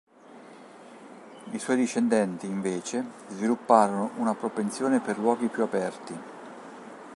I suoi discendenti, invece, svilupparono una propensione per luoghi più aperti.